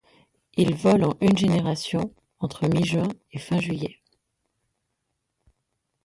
Il vole en une génération entre mi-juin et fin juillet.